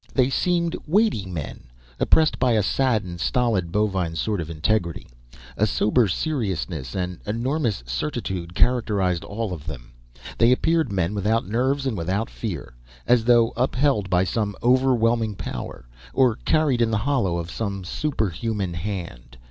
They seemed weighty men, oppressed by a sad and stolid bovine sort of integrity. A sober seriousness and enormous certitude characterized all of them. They appeared men without nerves and without fear, as though upheld by some overwhelming power or carried in the hollow of some superhuman hand.